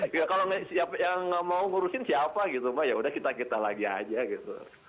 kalau nggak mau ngurusin siapa gitu mbak yaudah kita kita lagi aja gitu